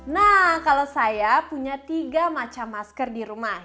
nah kalau saya punya tiga macam masker di rumah